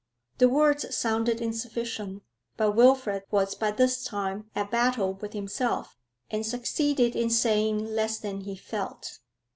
The words sounded insufficient, but Wilfrid was by this time at battle with himself, and succeeded in saying less than he felt.